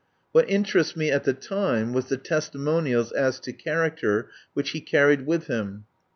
What interested me at the time was the testimonials as to character which he carried with him.